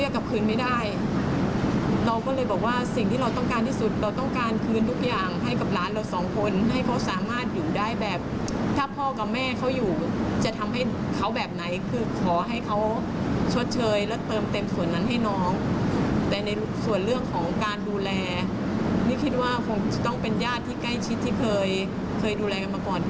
คงต้องเป็นญาติที่ใกล้ชิดที่เคยดูแลกันมาก่อน